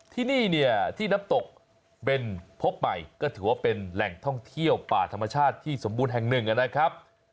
ที่นี่เนี่ยที่น้ำตกเบนพบใหม่ก็ถือว่าเป็นแหล่งท่องเที่ยวป่าธรรมชาติที่สมบูรณ์แห่งหนึ่งนะครับ